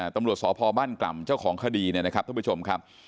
ตำรวจสพบ้านกล่ำเจ้าของคดีเนี่ยนะครับท่านผู้ชมครับ